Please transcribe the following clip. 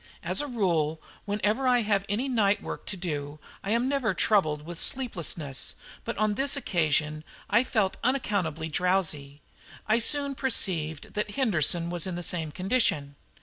As a rule, whenever I have any night work to do, I am never troubled with sleepiness, but on this occasion I felt unaccountably drowsy. I soon perceived that Henderson was in the same condition.